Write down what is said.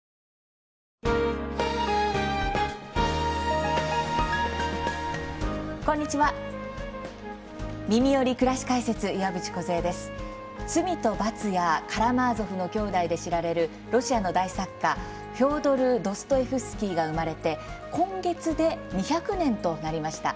「罪と罰」や「カラマーゾフの兄弟」で知られるロシアの大作家フョードル・ドストエフスキーが生まれて今月で２００年となりました。